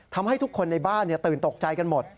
ทำให้ทุกคนในบ้านตื่นตกใจกันหมด